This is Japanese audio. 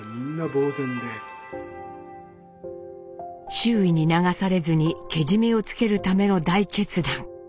周囲に流されずにけじめをつけるための大決断。